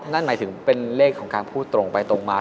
นั่นหมายถึงเป็นเลขของการพูดตรงไปตรงมา